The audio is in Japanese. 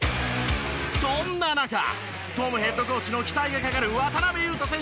そんな中トムヘッドコーチの期待がかかる渡邊雄太選手が帰国。